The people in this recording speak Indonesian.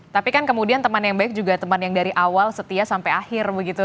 tapi kan kemudian teman yang baik juga teman yang dari awal setia sampai akhir begitu